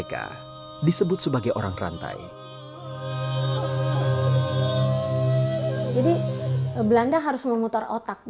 dan juga sewarang pendidik